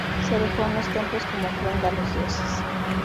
Se dejó en los templos como ofrenda a los dioses.